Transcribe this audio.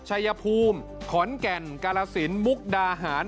ชายภูมิขอนแก่นกาลสินมุกดาหาร